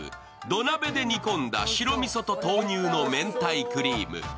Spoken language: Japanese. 土鍋で煮込んだ白味噌と豆乳の明太クリーム。